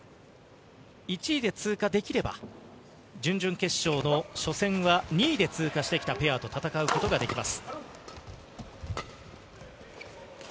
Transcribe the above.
１位で通過できれば準々決勝の初戦は２位で通過してきたペアと戦うことができます。